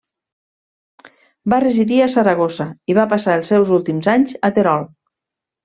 Va residir a Saragossa, i va passar els seus últims anys a Terol.